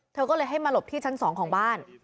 เธอก็เลยให้มาหลบที่ชั้น๒ของบ้าน